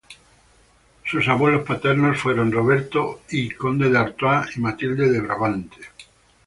Sus abuelos paternos fueron Roberto I, conde de Artois, y Matilde de Brabante.